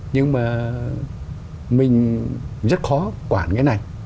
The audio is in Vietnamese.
nhưng mà mình rất khó quản cái này